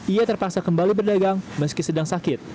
ia terpaksa kembali berdagang meski sedang sakit